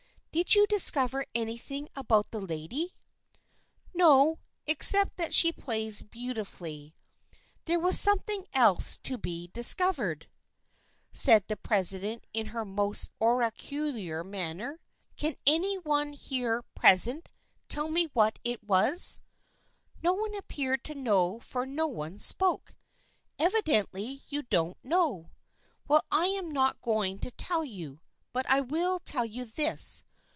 " Did you discover anything about the lady ?"" No, except that she plays beautifully." " There was something else to be discovered," 98 THE FRIENDSHIP OF ANNE said the president in her most oracular manner. " Can any one here present tell me what it was?" No one appeared to know for no one spoke. " Evidently you don't know. Well, I am not going to tell you, but I will tell you this.